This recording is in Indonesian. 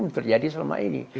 itu terjadi selama ini